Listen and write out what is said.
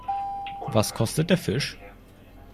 Was kostet der Fisch?